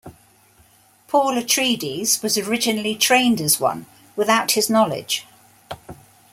Paul Atreides was originally trained as one without his knowledge.